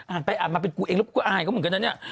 อ่านไปอ่านมาเป็นกูเองแล้วกูก็อายเขาเหมือนกันนะเนี่ย